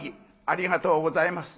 「ありがとうございます。